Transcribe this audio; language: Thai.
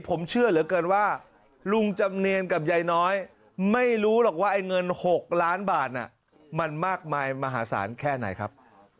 ผมเชื่อเหลือเกินว่าลุงจำเนียนกับยายน้อยไม่รู้หรอกว่าไอ้เงิน๖ล้านบาทมันมากมายมหาศาลแค่ไหนครับ